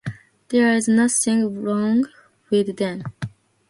There's nothing wrong with them.